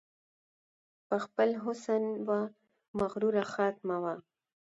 په خپل حسن وه مغروره خانتما وه